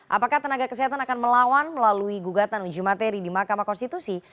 apakah tenaga kesehatan akan melawan melalui gugatan uji materi di mahkamah konstitusi